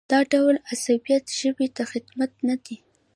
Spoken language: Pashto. دا ډول عصبیت ژبې ته خدمت نه دی.